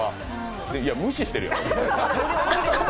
いや、無視してるやん！